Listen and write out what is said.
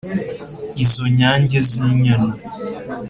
izo nyange z'inyana